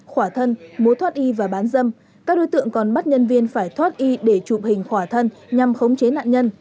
khỏa thân mối thoát y và bán dâm các đối tượng còn bắt nhân viên phải thoát y để chụp hình khỏa thân nhằm khống chế nạn nhân